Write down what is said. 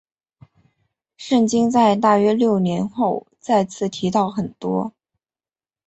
圣经在大约六年后再次提到提多。